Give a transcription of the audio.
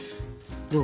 どう？